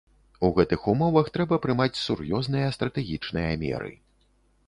У гэтых умовах трэба прымаць сур'ёзныя стратэгічныя меры.